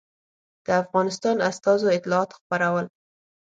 د افغانستان استازو اطلاعات خپرول.